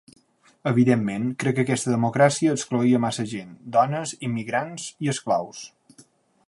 Evidentment, crec que aquesta democràcia excloïa massa gent: dones, immigrants i esclaus.